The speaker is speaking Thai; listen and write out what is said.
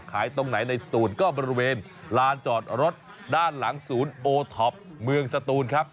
ตรงไหนในสตูนก็บริเวณลานจอดรถด้านหลังศูนย์โอท็อปเมืองสตูนครับ